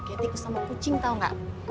kayak tikus sama kucing tau gak